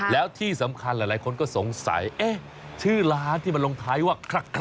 แล้วที่สำคัญหลายคนก็สงสัยชื่อร้านที่มันลงท้ายว่าคลัก